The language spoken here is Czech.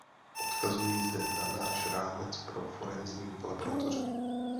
Odkazuji zde na náš rámec pro forenzní laboratoře.